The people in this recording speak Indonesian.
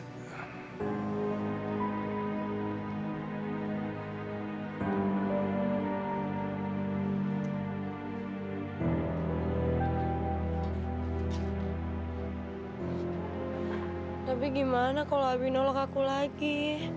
tapi gimana kalau abi nolak aku lagi